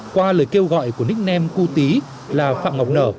qua lời kêu gọi của nickname cu tí là phạm ngọc nở